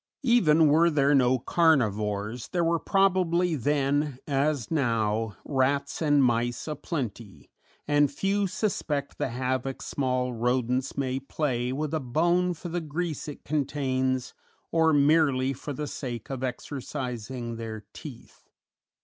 Even were there no carnivores, there were probably then, as now, rats and mice a plenty, and few suspect the havoc small rodents may play with a bone for the grease it contains, or merely for the sake of exercising their teeth.